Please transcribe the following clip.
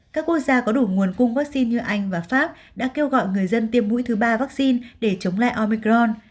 các quốc gia có đủ nguồn cung vaccine như anh và pháp đã kêu gọi người dân tiêm mũi thứ ba vaccine để chống lại omicron